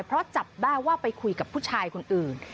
เพราะจับได้ว่าไปคุยกับผู้ชายคนอื่น